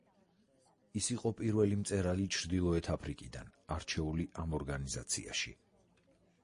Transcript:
ის იყო პირველი მწერალი ჩრდილოეთ აფრიკიდან, არჩეული ამ ორგანიზაციაში.